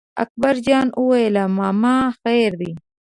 اکبر جان وویل: ماما خیر دی.